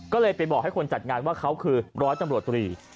ก็เลยไปบอกให้คนจัดงานว่าเขาคือร้อยตำรวจตรี